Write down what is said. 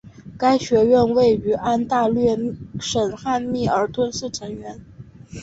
该学院位于安大略省汉密尔顿市成员。